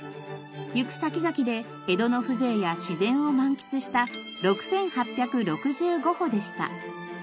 行く先々で江戸の風情や自然を満喫した６８６５歩でした。